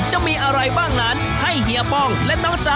จะมีอะไรบ้างนั้นให้เฮียป้องและน้องจ๊ะ